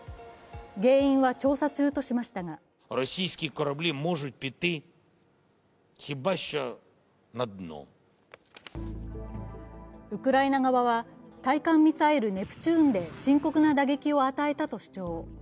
原因は調査中としましたがウクライナ側は、対艦ミサイル、ネプチューンで深刻な打撃を与えたと主張。